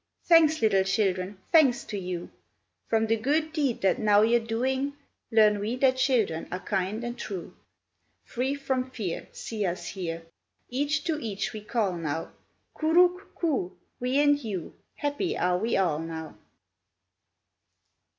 "Thanks, little children, thanks to you! From the good deed that now you're doing, Learn we that children are kind and true. Free from fear, See us here! Each to each we call now, 'Curuck! coo! We and you, Happy are we all now.